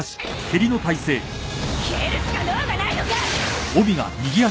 蹴るしか能がないのか！